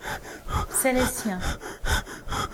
C’est les siens.